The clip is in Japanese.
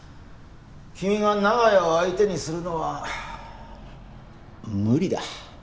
君が長屋を相手にするのは無理だ。